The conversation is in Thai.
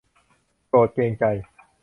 โปรดเกรงใจ